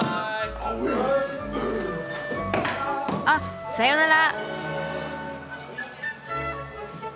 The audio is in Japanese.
あっさよなら。